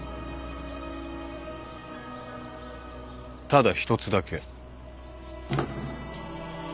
ただ一つだけ。